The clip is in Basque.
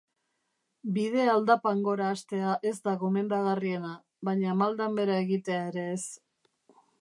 Bidea aldapan gora hastea ez da gomendagarriena, baina maldan behera egitea ere ez.